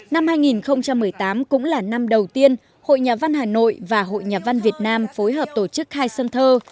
năm hai nghìn một mươi tám cũng là năm đầu tiên hội nhà văn hà nội và hội nhà văn việt nam phối hợp tổ chức hai sân thơ